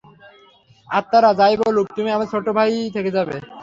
আত্মারা যাই বলুক, তুমি আমাদের ছোট্ট ভাইই থেকে যাবে।